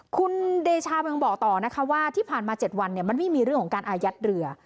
คุณเดชายังบอกต่อนะคะว่าที่ผ่านมา๗วันมันไม่มีเรื่องของการอายัดเรือ